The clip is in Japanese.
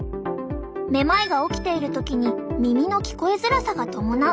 めまいが起きている時に耳の聞こえづらさが伴う。